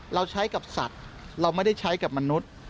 เราใช้กับสัตว์เราไม่ได้ใช้กับมนุษย์